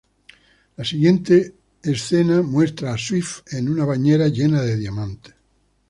La siguiente escena muestra a Swift en una bañera llena de diamantes.